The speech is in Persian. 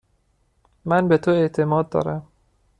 من به تو اعتماد دارم.